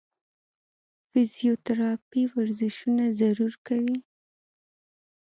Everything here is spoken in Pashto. فزيوتراپي ورزشونه ضرور کوي -